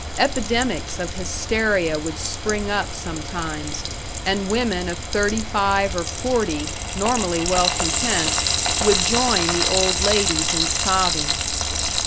Epidemics of hysteria would spring up sometimes, and women of thirty five or forty normally well content would join the old ladies in sobbing.